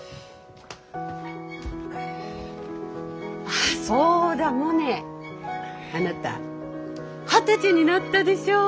ああそうだモネあなた二十歳になったでしょ！